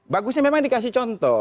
bagusnya memang dikasih contoh